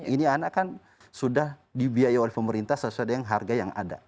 ini anak kan sudah dibiayai oleh pemerintah sesuai dengan harga yang ada